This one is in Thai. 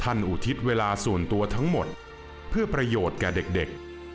อุทิศเวลาส่วนตัวทั้งหมดเพื่อประโยชน์แก่เด็ก